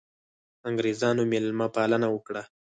انګرېزانو مېلمه پالنه وکړه.